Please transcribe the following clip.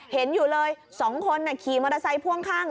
เห็นอยู่เลย๒คนขี่มอเตอร์ไซค์พ่วงข้าง